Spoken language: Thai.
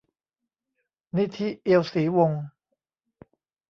นิธิ เอียวศรีวงศ์